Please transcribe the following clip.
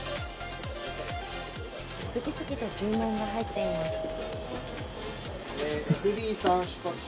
次々と注文が入っています。